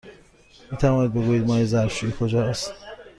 می توانید بگویید مایع ظرف شویی کجاست؟